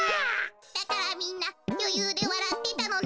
だからみんなよゆうでわらってたのね。